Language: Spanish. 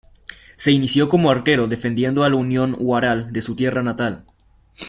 Se inició como arquero defendiendo al Unión Huaral de su tierra natal.